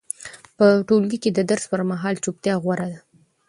په ټولګي کې د درس پر مهال چوپتیا غوره ده.